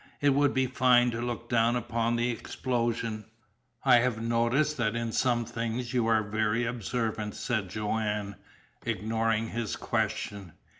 "It would be fine to look down upon the explosion." "I have noticed that in some things you are very observant," said Joanne, ignoring his question.